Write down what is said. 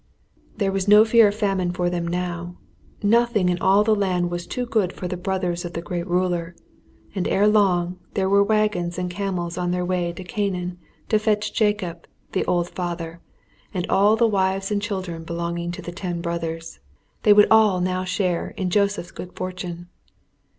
There was no fear of famine for them now. Nothing in all the land was too good for the brothers of the great ruler, and ere long there were wagons and camels on their way to Canaan to fetch Jacob, the old father, and all the wives and children belonging to the ten brothers. They would all now share in Joseph's good fortune.